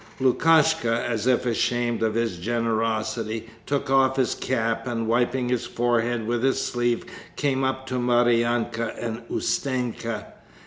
Lukashka, as if ashamed of his generosity, took off his cap and wiping his forehead with his sleeve came up to Maryanka and Ustenka.